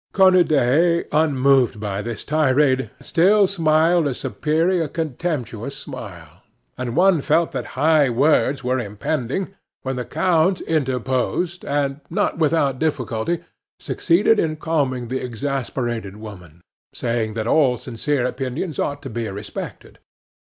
Cornudet, unmoved by this tirade, still smiled a superior, contemptuous smile; and one felt that high words were impending, when the count interposed, and, not without difficulty, succeeded in calming the exasperated woman, saying that all sincere opinions ought to be respected.